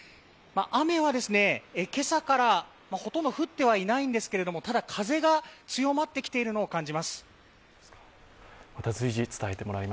雨は、今朝からほとんど降ってはいないんですけれども、ただ風が強まってきているのを感じます。